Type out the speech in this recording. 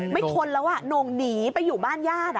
ทนแล้วหน่งหนีไปอยู่บ้านญาติ